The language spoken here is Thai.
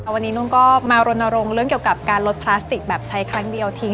วันนี้นุ่นก็มารณรงค์เรื่องเกี่ยวกับการลดพลาสติกแบบใช้ครั้งเดียวทิ้ง